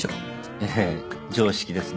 ええ常識ですね。